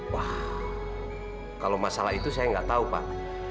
wah kalau masalah itu saya nggak tahu pak